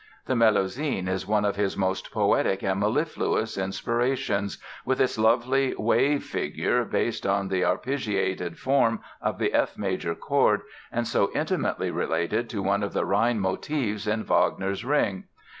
The "Melusine" is one of his most poetic and mellifluous inspirations, with its lovely "wave figure" based on the arpeggiated form of the F major chord and so intimately related to one of the Rhine motives in Wagner's "Ring".